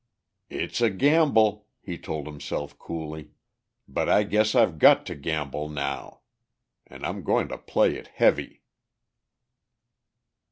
"It's a gamble," he told himself coolly. "But I guess I've got to gamble now. And I'm going to play it heavy."